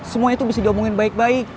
semuanya tuh bisa diomongin baik baik